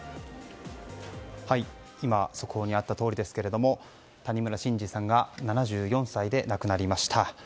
速報にあったとおりですけども谷村新司さんが７４歳で亡くなりました。